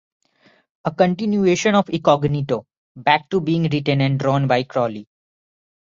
A continuation of Incognito, back to being written and drawn by Crowley.